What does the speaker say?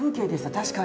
確かに。